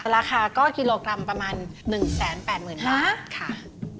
ราคาก็กิโลกรัมประมาณ๑แสน๘หมื่นบาท